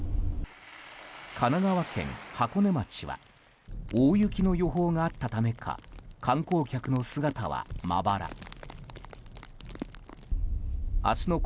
神奈川県箱根町は大雪の予報があったためか観光客の姿は、まばら。